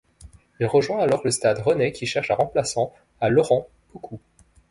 Il rejoint alors le Stade rennais qui cherche un remplaçant à Laurent Pokou.